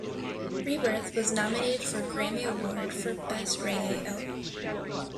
"Rebirth" was nominated for a Grammy Award for 'Best Reggae Album'.